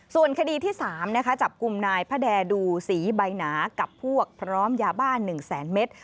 ส่วนคดีที่๓จับกลุ่มนายพระแดดูสีใบหนากับพวกพร้อมยาบ้า๑แสนเมตร